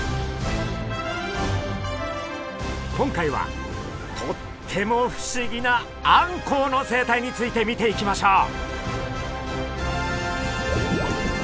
今回はとっても不思議なあんこうの生態について見ていきましょう！